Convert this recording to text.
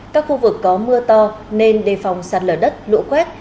các khu vực có mưa to nên đề phòng sạt lở đất lũ quét